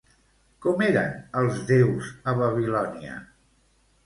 Com eren els déus a Babilònia?